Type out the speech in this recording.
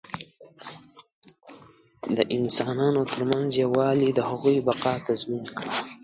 د انسانانو تر منځ یووالي د هغوی بقا تضمین کړه.